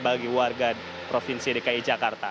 bagi warga provinsi dki jakarta